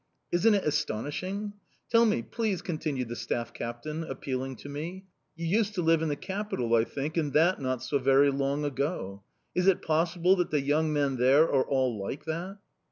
Isn't it astonishing? Tell me, please," continued the staff captain, appealing to me. "You used to live in the Capital, I think, and that not so very long ago. Is it possible that the young men there are all like that?"